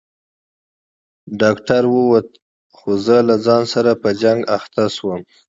ډاکتر ووت خو زه له ځان سره په جنگ اخته سوم.